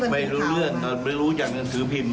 ไม่รู้เรื่องตอนไม่รู้จากหนังสือพิมพ์